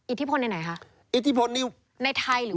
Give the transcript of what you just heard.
อิทธิพลในไทยหรือวาหรอครับ